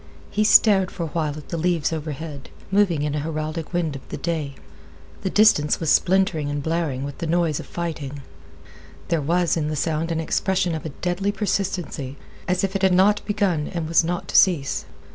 He stared for a while at the leaves overhead, moving in a heraldic wind of the day. The distance was splintering and blaring with the noise of fighting. There was in the sound an expression of a deadly persistency, as if it had not began and was not to cease.